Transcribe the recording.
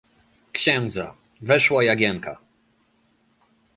"księdza, weszła Jagienka."